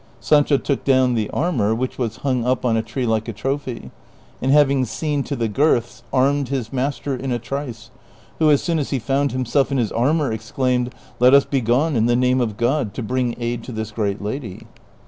Sancho took doAvn the armor, which was hung up on a tree like a trophy, and having seen to the girths, armed his master in a trice, who as soon as he found himself in his armor exclaimed, ''' Let us be gone in the name of God to bring aid to this great lady."